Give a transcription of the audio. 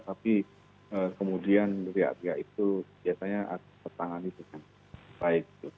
tapi kemudian riak riak itu biasanya tertangani dengan baik